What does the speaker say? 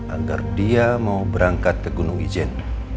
agar dia mau berangkat ke gunung ijen